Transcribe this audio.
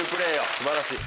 素晴らしい。